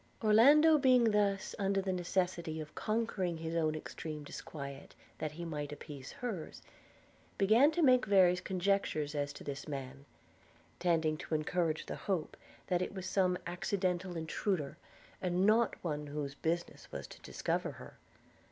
Orlando being thus under the necessity of conquering his own extreme disquiet, that he might appease hers, began to make various conjectures as to this man, tending to encourage the hope that it was some accidental intruder, and not one whose business was to discover her.